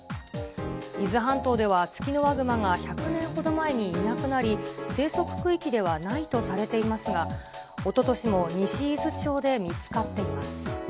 伊豆半島ではツキノワグマが１００年ほど前にいなくなり、生息区域ではないとされていますが、おととしも西伊豆町で見つかっています。